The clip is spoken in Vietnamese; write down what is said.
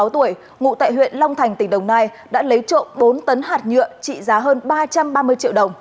ba mươi sáu tuổi ngụ tại huyện long thành tỉnh đồng nai đã lấy trộm bốn tấn hạt nhựa trị giá hơn ba trăm ba mươi triệu đồng